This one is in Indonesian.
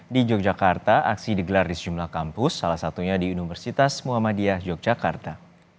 di yogyakarta aksi digelar di sejumlah kampus salah satunya di universitas muhammadiyah yogyakarta